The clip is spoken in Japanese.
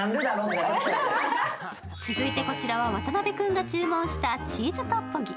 続いてこちらは渡辺君が注文したチーズトッポギ。